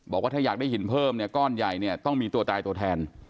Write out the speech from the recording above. บอกว่าถ้าอยากได้หินเพิ่มเนี่ยก้อนใหญ่เนี่ยต้องมีตัวตายตัวแทน